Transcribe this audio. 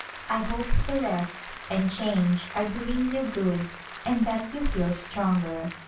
I hope the rest and change are doing you good and that you feel stronger.